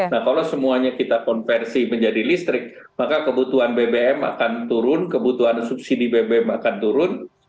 nah kalau semuanya kita konversi menjadi listrik maka kebutuhan bbm akan turun kebutuhan subsidi bbm akan turun